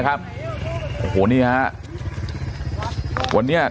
ครับโอ้โหนี่เฮะวันนี้